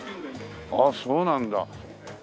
ああそうなんだ。